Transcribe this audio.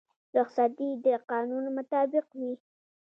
رخصتي د قانون مطابق وي